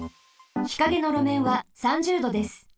日陰のろめんは３０℃です。